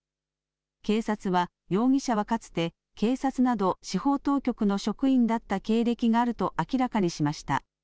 警察は容疑者はかつて警察など司法当局の職員だった経歴があると明らかにしました。